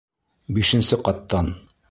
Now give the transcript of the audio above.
Бишенсе ҡаттан!